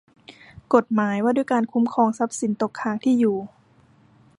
กฎหมายว่าด้วยการคุ้มครองทรัพย์สินตกค้างที่อยู่